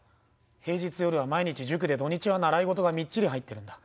平日夜は毎日塾で土日は習い事がみっちり入ってるんだ。